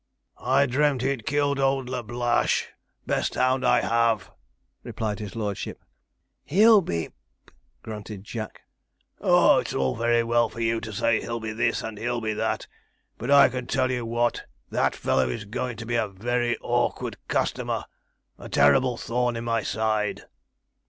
'I dreamt he'd killed old Lablache best hound I have,' replied his lordship. 'He be ,' grunted Jack. 'Ah, it's all very well for you to say "he be this" and "he be that," but I can tell you what, that fellow is going to be a very awkward customer a terrible thorn in my side.'